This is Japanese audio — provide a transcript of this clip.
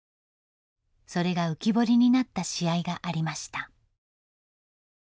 それが浮き彫りになった試合がありました。